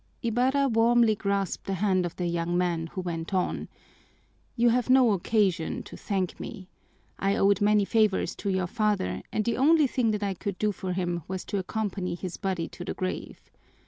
Ibarra warmly grasped the hand of the young man, who went on: "You have no occasion to thank me. I owed many favors to your father, and the only thing that I could do for him was to accompany his body to the grave.